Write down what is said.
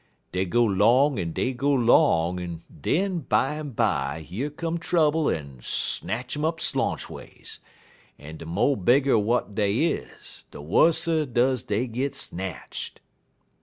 Dey go 'long en dey go 'long, en den bimeby yer come trouble en snatch um slonchways, en de mo' bigger w'at dey is, de wusser does dey git snatched."